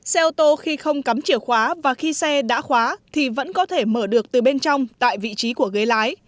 xe ô tô khi không cắm chìa khóa và khi xe đã khóa thì vẫn có thể mở được từ bên trong tại vị trí của ghế lái